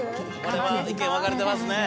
これは意見分かれてますね